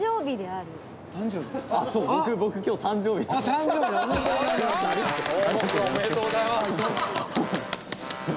ありがとうございます。